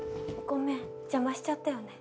ごめん邪魔しちゃったよね。